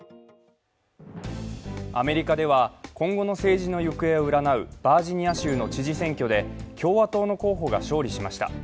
アメリカでは今後の政治の行方を占うバージニア州の知事選挙で共和党の候補が勝利しました。